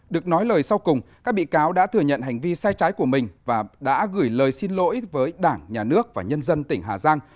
được nói lời sau cùng các bị cáo đã thừa nhận hành vi sai trái của mình và đã gửi lời xin lỗi với đảng nhà nước và nhân dân tỉnh hà giang